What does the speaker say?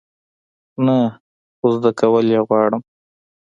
نه، خو زده کول یی غواړم